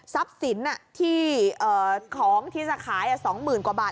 สินที่ของที่จะขาย๒๐๐๐กว่าบาท